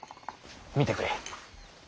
見てくれ。